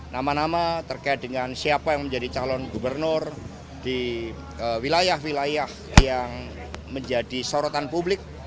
nama nama terkait dengan siapa yang menjadi calon gubernur di wilayah wilayah yang menjadi sorotan publik